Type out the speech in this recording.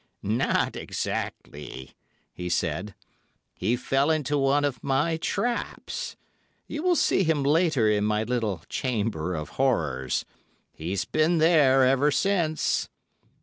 'Not exactly,' he said. 'He fell into one of my traps. You will see him later in my little chamber of horrors. He's been there ever since.